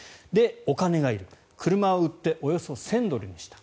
お金がいる、車を売っておよそ１０００ドルにした。